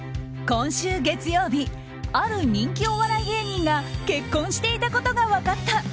今週月曜日ある人気お笑い芸人が結婚していたことが分かった。